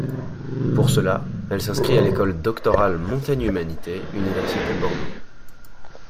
Pour cela, elle s'inscrit à l'École Doctorale Montaigne – Humanités, Université Bordeaux.